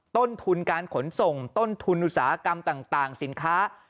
ต้นทุนการขนส่งต้นทุนอุตสาหกรรมต่างสินค้า